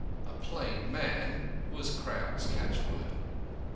"A plain man" was Crowl's catchword.